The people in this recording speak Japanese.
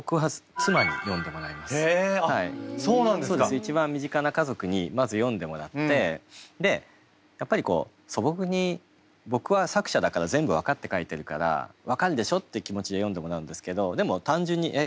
一番身近な家族にまず読んでもらってでやっぱり素朴に僕は作者だから全部分かって書いてるから分かるでしょ？っていう気持ちで読んでもらうんですけどでも単純にえっ